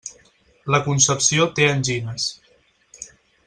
La Concepció té angines.